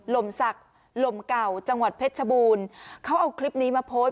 ลดสักหลุมเก่าจังหวัดเพ็ดชะบูนเขาเอาคลิปนี้มาโพส